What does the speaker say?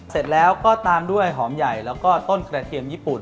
เสร็จแล้วก็ตามด้วยหอมใหญ่แล้วก็ต้นกระเทียมญี่ปุ่น